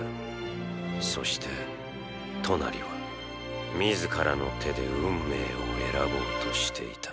そしてトナリは自らの手で運命を選ぼうとしていた